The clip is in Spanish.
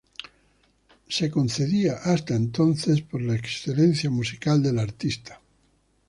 Hasta entonces era concedido por la excelencia musical del artista.